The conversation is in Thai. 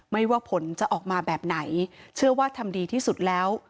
ว่าผลจะออกมาแบบไหนเชื่อว่าทำดีที่สุดแล้ว